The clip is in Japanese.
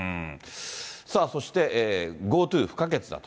さあそして、ＧｏＴｏ不可欠だと。